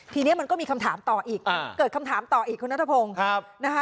ทีนี้มันก็มีคำถามต่ออีกเกิดคำถามต่ออีกคุณนัทพงศ์นะคะ